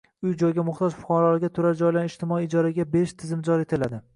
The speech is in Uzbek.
Uy-joyga muhtoj fuqarolarga turar joylarni ijtimoiy ijaraga berish tizimi joriy etiladi.